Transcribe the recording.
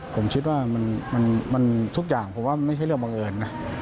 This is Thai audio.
ผมคิดว่ามันทุกอย่างผมว่าไม่ใช่เรื่องบังเอิญนะ